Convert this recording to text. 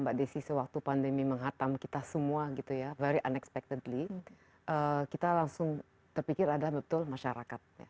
mbak desi sewaktu pandemi menghatam kita semua gitu ya very unexpectedly kita langsung terpikir adalah betul masyarakat